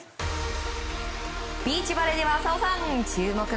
ビーチバレーでは浅尾さん